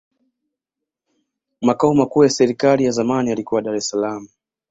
makao makuu ya serikali zamani yalikuwa dar es salaam